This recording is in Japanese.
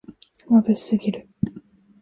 まぶしすぎる